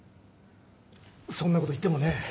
そんなこと言ってもね。